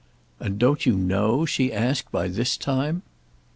"And don't you know," she asked, "by this time?"